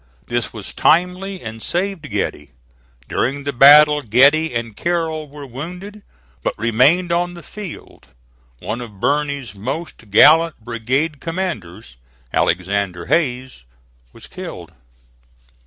This was timely and saved Getty. During the battle Getty and Carroll were wounded, but remained on the field. One of Birney's most gallant brigade commanders Alexander Hays was killed.